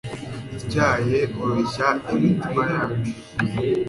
ityaye, oroshya imitima yacu